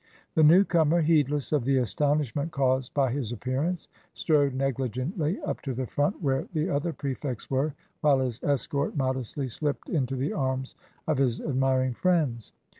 The new comer, heedless of the astonishment caused by his appearance, strode negligently up to the front where the other prefects were, while his escort modestly slipped into the arms of his admiring friends.